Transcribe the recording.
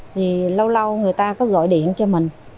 thì lâu lâu người ta có gọi điện cho mình